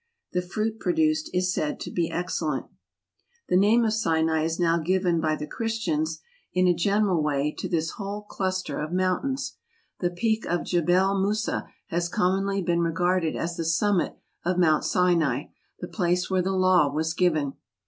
The fruit produced is said to be excellent. The name of Sinai is now given by the Chris¬ tians in a general way to this whole cluster of 224 MOUNTAIN ADVENTURES. mountains. The peak of Jebel Musa has commonly been regarded as the summit of Mount Sinai, the place where the Law was given.